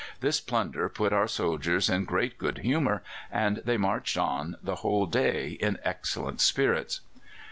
This plunder put our soldiers in great good humour, and they marched on the whole day in excellent spirits.